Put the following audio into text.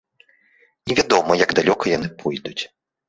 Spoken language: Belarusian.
Невядома, як далёка яны пойдуць.